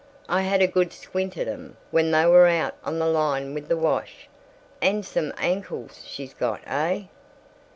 I had a good squint at 'em when they were out on the line with the wash. And some ankles she's got, heh?"